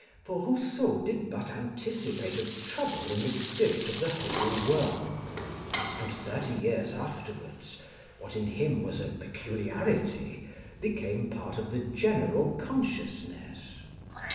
For Rousseau did but anticipate a trouble in the spirit of the whole world; and thirty years afterwards, what in him was a peculiarity, became part of the general consciousness.